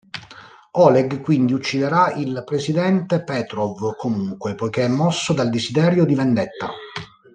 Oleg quindi ucciderà il presidente Petrov comunque, poiché è mosso dal desiderio di vendetta.